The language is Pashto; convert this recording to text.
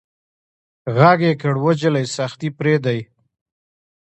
غږ يې کړ وه جلۍ سختي پرېدئ.